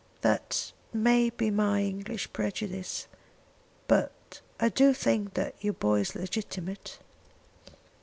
That may be my English prejudice. But I do think that your boy is legitimate."